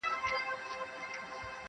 هغه مي خړ وطن سمسور غوښتی-